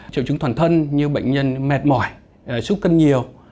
triệu chứng toàn thân như bệnh nhân mệt mỏi xúc cân nhiều